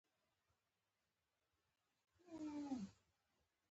اسټین لاهم په حیرانتیا سره خوله خلاصه نیولې وه